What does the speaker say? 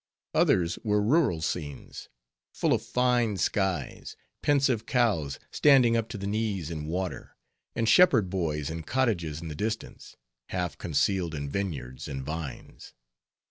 Others were rural scenes, full of fine skies, pensive cows standing up to the knees in water, and shepherd boys and cottages in the distance, half concealed in vineyards and vines.